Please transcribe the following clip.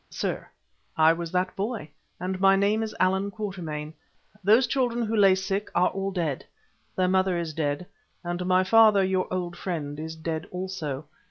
"Sir, I was that boy, and my name is Allan Quatermain. Those children who lay sick are all dead, their mother is dead, and my father, your old friend, is dead also.